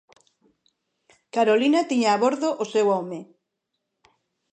Carolina tiña abordo o seu home.